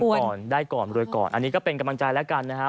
ก่อนได้ก่อนรวยก่อนอันนี้ก็เป็นกำลังใจแล้วกันนะฮะ